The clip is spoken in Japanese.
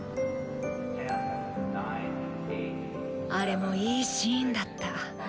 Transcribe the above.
あれもいいシーンだった。